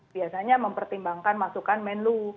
biasanya mempertimbangkan masukan menlu